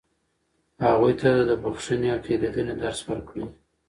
هغوی ته د بښنې او تېرېدنې درس ورکړئ.